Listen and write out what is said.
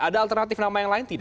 ada alternatif nama yang lain tidak